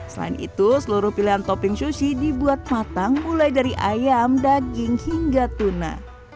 selain itu seluruh pilihan topping sushi dibuat matang mulai dari ayam daging hingga tuna